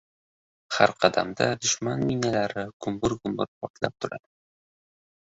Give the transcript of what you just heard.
Har qadamda dushman minalari gumbur-gumbur portlab turadi!